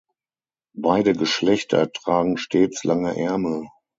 Beide Geschlechter tragen stets lange Ärmel.